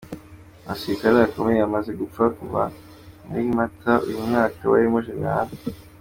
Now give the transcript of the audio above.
Abasirikare bakomeye bamaze gupfa kuva muri Mata uyu mwaka barimo Gen.